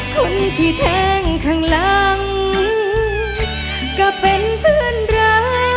คนที่แทงข้างหลังก็เป็นเพื่อนรัก